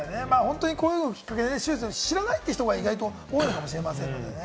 こういうのをきっかけに知らないって人が多いかもしれませんのでね。